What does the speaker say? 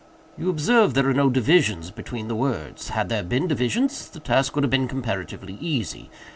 "You observe there are no divisions between the words. Had there been divisions, the task would have been comparatively easy.